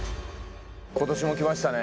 今年も来ましたね。